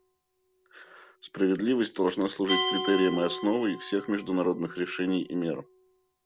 Справедливость должна служить критерием и основой всех международных решений и мер.